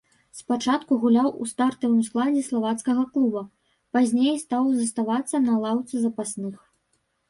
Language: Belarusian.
Спачатку гуляў у стартавым складзе славацкага клуба, пазней стаў заставацца на лаўцы запасных.